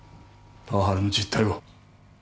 パワハラの実態を。